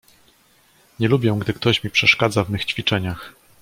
"Nie lubię, gdy mi ktoś przeszkadza w mych ćwiczeniach."